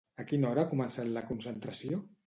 A quina hora ha començat la concentració?